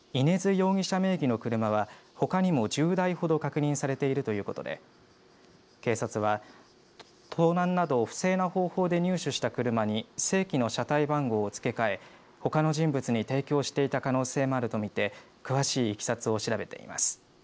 容疑者名義の車はほかにも１０台ほど確認されているということで警察は盗難など不正な方法で入手した車に正規の車体番号を付け替えほかの人物に提供していた可能性もあると見て詳しいいきさつを調べています。